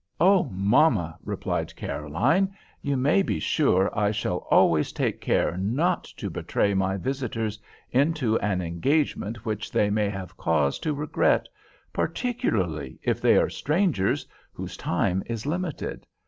"Oh, mamma," replied Caroline, "you may be sure I shall always take care not to betray my visitors into an engagement which they may have cause to regret, particularly if they are strangers whose time is limited.